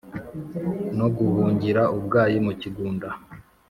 No guhungira ubwayi mu kigunda